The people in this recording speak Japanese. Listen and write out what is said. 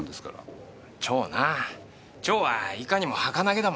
蝶はいかにもはかなげだもんな。